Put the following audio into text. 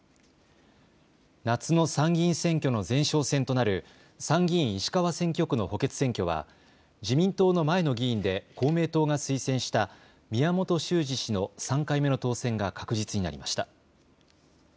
夏の参議院選挙の前哨戦となる参議院石川選挙区の補欠選挙は自民党の前の議員で公明党が推薦した宮本周司氏の３回目の当選が確実になりました。